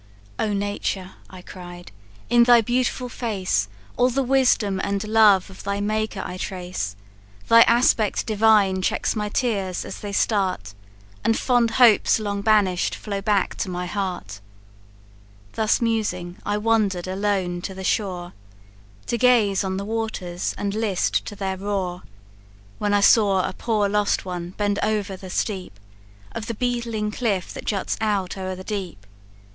"'Oh nature!' I cried, 'in thy beautiful face All the wisdom and love of thy Maker I trace; Thy aspect divine checks my tears as they start, And fond hopes long banish'd flow back to my heart!' Thus musing, I wander'd alone to the shore, To gaze on the waters, and list to their roar, When I saw a poor lost one bend over the steep Of the tall beetling cliff that juts out o'er the deep.